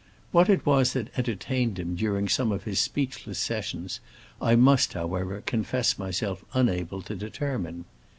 What it was that entertained him during some of his speechless sessions I must, however, confess myself unable to determine.